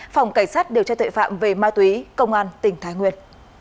phòng cảnh sát điều tra tội phạm về ma túy công an tỉnh thái nguyên